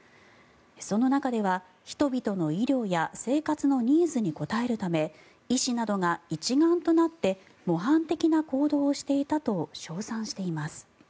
その中では人々の医療や生活のニーズに応えるため医師などが一丸となって模範的な行動をしていたと称賛しています。